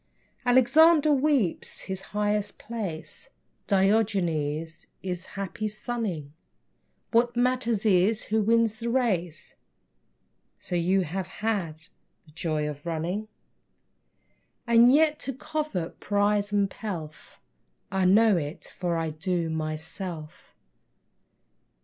Alexander weeps his highest place, Diogenes is happy sunning! What matters it who wins the race So you have had the joy of running? And yet, you covet prize and pelf. I know it, for I do, myself.